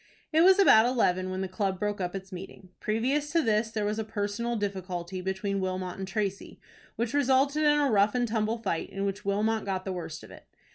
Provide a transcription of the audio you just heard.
It was about eleven when the club broke up its meeting. Previous to this there was a personal difficulty between Wilmot and Tracy, which resulted in a rough and tumble fight, in which Wilmot got the worst of it.